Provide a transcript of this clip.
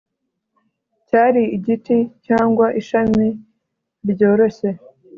cyari igiti cyangwa ishami ryoroshye,